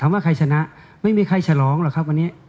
ว่าใครชนะไม่มีใครฉลองหรอกครับวันนี้